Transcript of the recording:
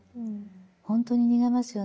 ほんとに逃げますよね